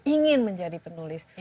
ingin menjadi penulis